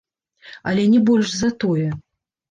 Але не больш за тое.